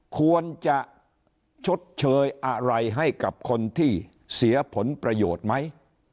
ควรจะชดเชยอะไรให้กับคนที่เสียผลประโยชน์ไหม